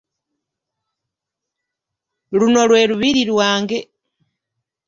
Luno lwe Lubiri lwange.